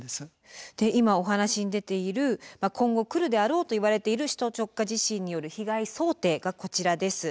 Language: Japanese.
で今お話に出ている今後来るであろうといわれている首都直下地震による被害想定がこちらです。